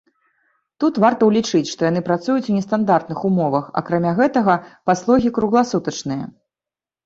Тут варта ўлічыць, што яны працуюць у нестандартных умовах, акрамя гэтага, паслугі кругласутачныя.